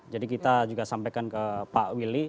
jadi kita juga sampaikan ke pak willy